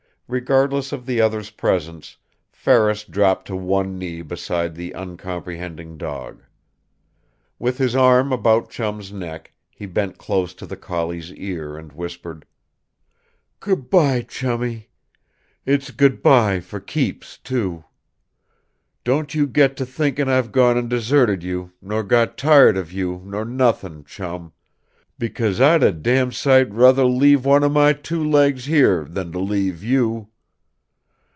Regardless of the others' presence, Ferris dropped to one knee beside the uncomprehending dog. With his arm about Chum's neck, he bent close to the collie's ear and whispered: "Good by, Chummie! It's good by, fer keeps, too. Don't you get to thinkin' I've gone an' deserted you, nor got tired of you, nor nothnn', Chum. Because I'd a dam' sight ruther leave one of my two legs here than to leave you.